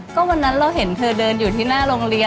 ก็วันนั้นเราเห็นเธอเดินอยู่ที่หน้าโรงเรียน